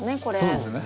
そうですね。